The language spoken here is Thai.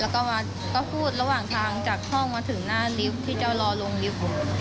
แล้วก็พูดระหว่างทางจากห้องมาถึงหน้าลิฟท์ที่เจ้ารอลงลิฟต์